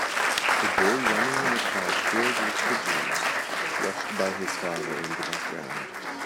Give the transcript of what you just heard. A boy running in a park filled with pigeons, watched by his father in the background.